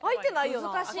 難しい。